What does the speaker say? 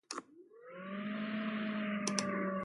Et moi j'ai étudié la médecine, l'astrologie et l'hermétique.